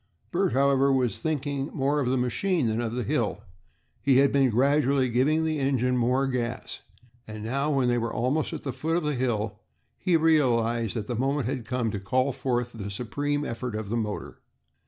Bert, however, was thinking more of the machine than of the hill. He had been gradually giving the engine more gas, and now, when they were almost at the foot of the hill, he realized that the moment had come to call forth the supreme effort of the motor.